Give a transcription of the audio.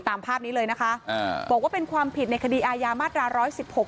ตามภาพนี้เลยนะคะอ่าบอกว่าเป็นความผิดในคดีอายามาตราร้อยสิบหก